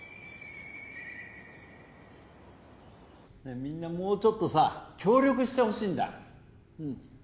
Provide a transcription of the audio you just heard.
ねえみんなもうちょっとさ協力してほしいんだうん。